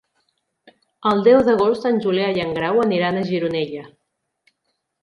El deu d'agost en Julià i en Grau aniran a Gironella.